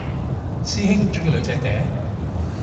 師兄唔鍾意女仔嗲？